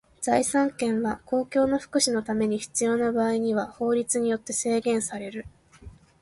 財産権は公共の福祉のために必要な場合には法律によって制限される。